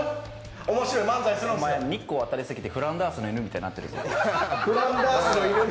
お前、日光当たりすぎてフランダースの犬みたいになってるぞ。